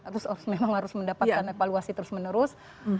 terus memang harus mendapatkan evaluasi terus menerus